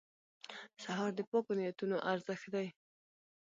سهار د پاکو نیتونو ارزښت دی.